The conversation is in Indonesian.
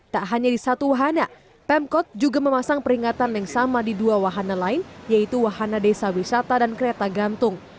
tak hanya di satu wahana pemkot juga memasang peringatan yang sama di dua wahana lain yaitu wahana desa wisata dan kereta gantung